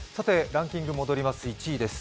ランキングに戻ります。